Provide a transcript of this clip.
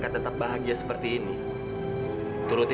abis bapak liat baju kamu itu itu aja